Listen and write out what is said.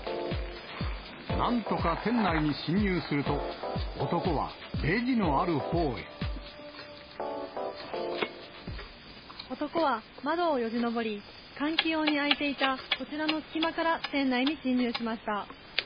なんとか店内に侵入すると、男は窓をよじ登り、換気用に開いていた、こちらの隙間から店内に侵入しました。